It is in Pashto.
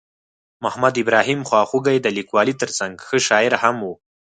محمد ابراهیم خواخوږی د لیکوالۍ ترڅنګ ښه شاعر هم ؤ.